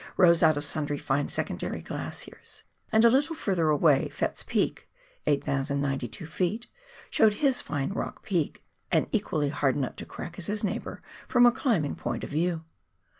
rose out of sundry fine secondary glaciers, and a little further away Fettes' Peak (8,092 ft.) showed his fine rock peak, an equally hard nut to crack as his neighbour, from a climbing point of view.